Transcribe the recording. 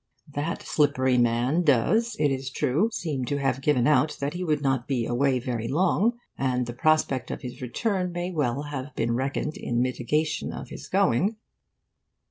That slippery man does, it is true, seem to have given out that he would not be away very long; and the prospect of his return may well have been reckoned in mitigation of his going.